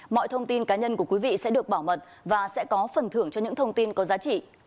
mọi thông tin cá nhân của quý vị sẽ được bảo mật và sẽ có phần thưởng cho những thông tin có giá trị